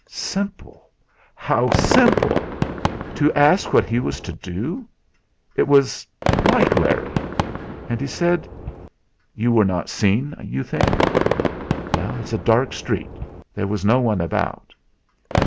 "Simple! How simple! To ask what he was to do! It was like Larry! And he said: "You were not seen, you think?" "It's a dark street. There was no one about."